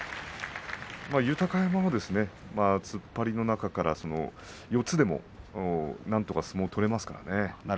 豊山も突っ張りの中から四つでもなんとか相撲を取れますからね。